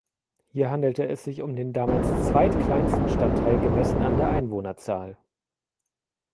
Hier handelte es sich um den damals zweitkleinsten Stadtteil gemessen an der Einwohnerzahl.